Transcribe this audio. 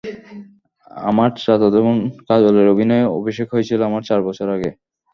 আমার চাচাতো বোন কাজলের অভিনয় অভিষেক হয়েছিল আমার চার বছর আগে।